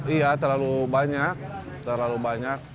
iya terlalu banyak terlalu banyak